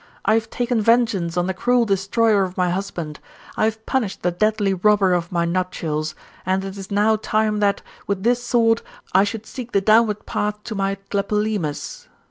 I have taken vengeance on the cruel destroyer of my husband; I have punished the deadly robber of my nuptials; 130 THB ICBTAMORPHOSIS, OR and it is now time that, with this sword, I should seek the downward path to my Tlepolemus.'